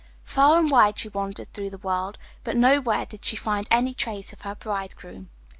Far and wide she wandered through the world, but nowhere did she find any trace of her bridegroom.